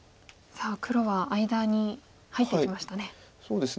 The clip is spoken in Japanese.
さあ黒は間に入っていきましたね。